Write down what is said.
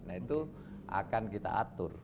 nah itu akan kita atur